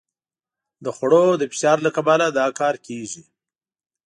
د خوړو د فشار له کبله دا کار کېږي.